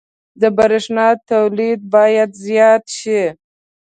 • د برېښنا تولید باید زیات شي.